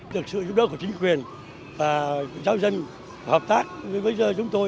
được sự giúp đỡ của chính quyền và giáo dân hợp tác với bây giờ chúng tôi